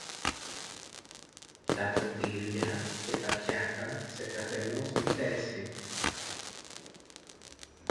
τα ποτήρια και τα πιάτα σε καθενός τη θέση.